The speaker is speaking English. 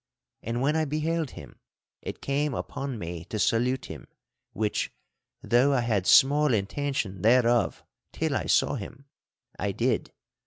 And when I beheld him, it came upon me to salute him—which, though I had small intention thereof till I saw him, I did.